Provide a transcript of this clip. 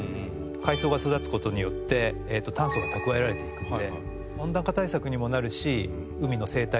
海藻が育つ事によって炭素が蓄えられていくので温暖化対策にもなるし海の生態系を豊かにするし。